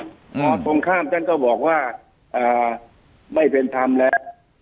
ตรงข้ามท่านก็บอกว่าไม่เป็นธรรมแล้ว